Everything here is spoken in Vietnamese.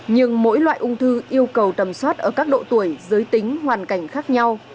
nhưng mỗi loại ung thư yêu cầu tầm soát ở các độ tuổi giới tính hoàn cảnh khác nhau